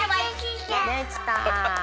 できた！